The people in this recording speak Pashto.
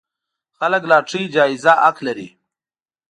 خلک لاټرۍ جايزه حق لري.